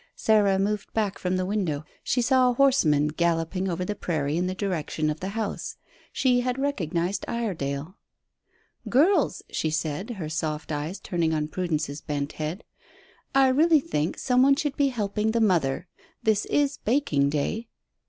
Sarah moved back from the window. She saw a horseman galloping over the prairie in the direction of the house. She had recognized Iredale. "Girls," she said, her soft eyes turning on Prudence's bent head, "I really think some one should be helping the mother. This is baking day."